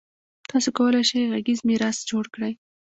تاسو کولای شئ غږیز میراث جوړ کړئ.